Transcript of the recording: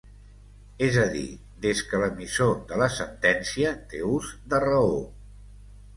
És a dir, des que l'emissor de la sentència té ús de raó.